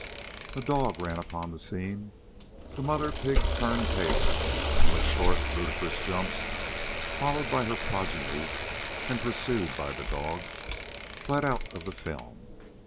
A dog ran upon the scene. The mother pig turned tail and with short ludicrous jumps, followed by her progeny and pursued by the dog, fled out of the film.